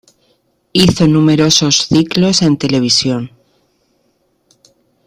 Hizo numerosos ciclos en televisión.